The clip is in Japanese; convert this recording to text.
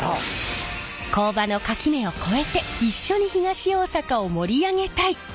工場の垣根を超えて一緒に東大阪を盛り上げたい！